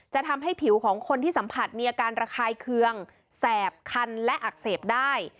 ทำให้ผิวของคนที่สัมผัสมีอาการระคายเคืองแสบคันและอักเสบได้